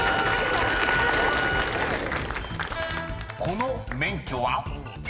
［この免許は？］